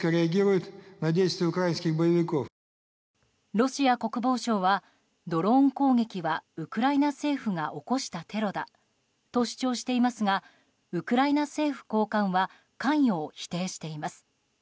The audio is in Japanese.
ロシア国防省はドローン攻撃はウクライナ政府が起こしたテロだと主張していますがウクライナ政府高官は関与を否定しています。